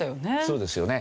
そうですよね。